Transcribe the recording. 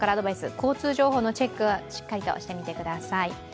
交通情報のチェックをしっかりしてください。